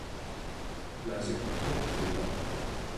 nasekcugglugaq